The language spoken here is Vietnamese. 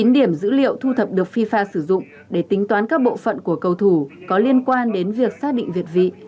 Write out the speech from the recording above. chín điểm dữ liệu thu thập được fifa sử dụng để tính toán các bộ phận của cầu thủ có liên quan đến việc xác định việt vị